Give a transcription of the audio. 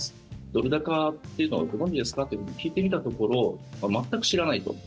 ドル高というのはご存じですか？ということを聞いてみたところ全く知らないと。